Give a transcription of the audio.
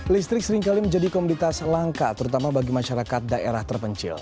listrik seringkali menjadi komunitas langka terutama bagi masyarakat daerah terpencil